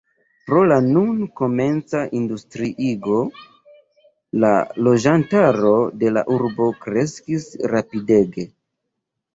Pro la nun komenca industriigo la loĝantaro de la urbo kreskis rapidege.